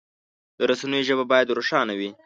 د رسنیو ژبه باید روښانه وي.